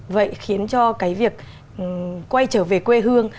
vậy khiến cho cái việc quay trở về quê hương